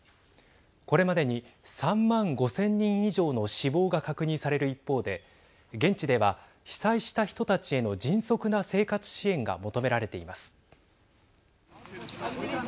これまでに３万５０００人以上の死亡が確認される一方で現地では、被災した人たちへの迅速な生活支援が求められています。